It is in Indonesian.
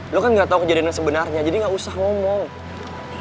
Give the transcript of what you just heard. lo kan gak tau kejadian yang sebenarnya jadi gak usah ngomong